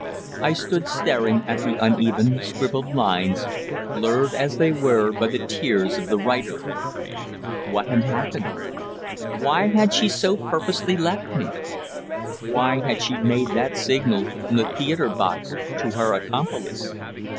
I stood staring at the uneven scribbled lines, blurred as they were by the tears of the writer. What had happened? Why had she so purposely left me? Why had she made that signal from the theatre box to her accomplice?